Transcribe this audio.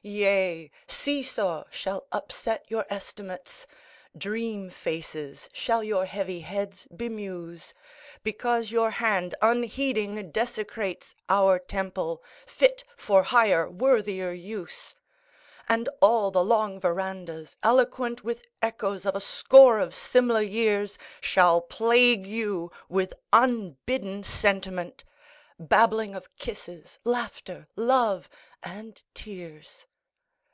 Yea! "See Saw" shall upset your estimates, "Dream faces" shall your heavy heads bemuse. Because your hand, unheeding, desecrates Our temple; fit for higher, worthier use. And all the long verandahs, eloquent With echoes of a score of Simla years, Shall plague you with unbidden sentimentâ Babbling of kisses, laughter, love, and tears.